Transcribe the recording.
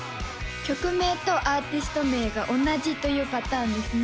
曲名とアーティスト名が同じというパターンですね